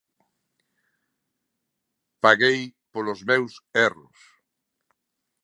Paguei polos meus erros.